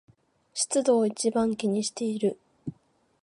湿度を一番気にしている